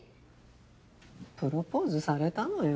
プロポーズされたのよ。